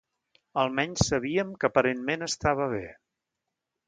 Almenys sabíem que aparentment estava bé.